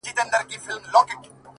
زما د ميني ليونيه؛ ستا خبر نه راځي؛